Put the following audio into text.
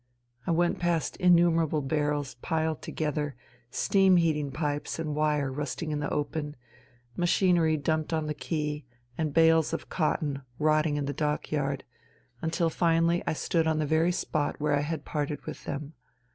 I went past innumerable barrels piled together, steam heating pipes and wire rusting in the open, machinery dumped on the quay, and bales of cotton rotting in the dockyard, until finally I stood on the very spot where I had parted with them.